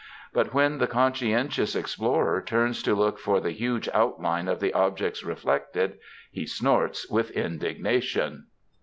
But when the conscientious explorer turns to look for the ''huge outline^ of the 802 MEN, WOMEN, AND MINXES objects reflected, he snorts with indignation.